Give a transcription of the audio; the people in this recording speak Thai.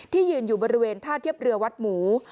ยืนอยู่บริเวณท่าเทียบเรือวัดหมู